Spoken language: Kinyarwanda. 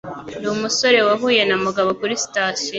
Ndi umusore wahuye na Mugabo kuri sitasiyo.